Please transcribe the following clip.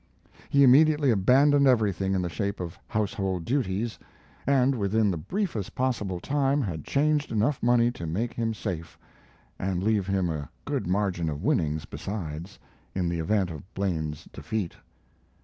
He immediately abandoned everything in the shape of household duties, and within the briefest possible time had changed enough money to make him safe, and leave him a good margin of winnings besides, in the event of Blame's defeat.